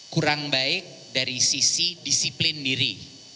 kurang baik dari sisi disiplin diri